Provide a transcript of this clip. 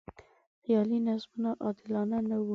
خیالي نظمونه عادلانه نه و.